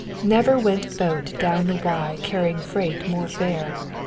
Never went boat down the Wye carrying freight more fair.